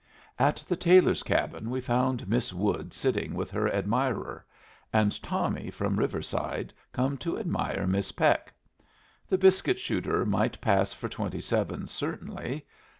At the Taylors' cabin we found Miss Wood sitting with her admirer, and Tommy from Riverside come to admire Miss Peck. The biscuit shooter might pass for twenty seven, certainly.